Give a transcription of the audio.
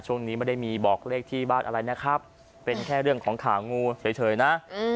ช่วงนี้ไม่ได้มีบอกเลขที่บ้านอะไรนะครับเป็นแค่เรื่องของข่าวงูเฉยนะ